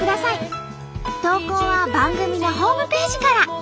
投稿は番組のホームページから。